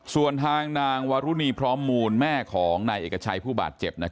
ส่วนทางนางวารุณีพร้อมมูลแม่ของนายเอกชัยผู้บาดเจ็บ